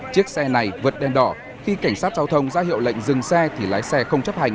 chiếc xe này vượt đen đỏ khi cảnh sát giao thông ra hiệu lệnh dừng xe thì lái xe không chấp hành